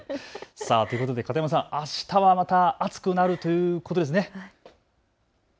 片山さん、あしたはまた暑くなるということですね。